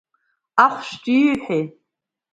Ахәшәтәҩы ииҳәеи?